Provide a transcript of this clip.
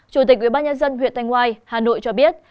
chủ tịch ubnd huyện thanh ngoài hà nội cho biết